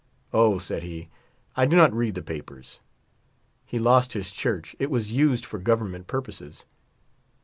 "Oh !" said he, "I do not read the papers.'' He lost his church ; it was used for Govern ment purposes.